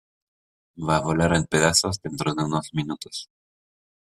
Va a volar en pedazos dentro de unos minutos